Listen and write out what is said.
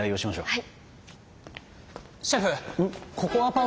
はい。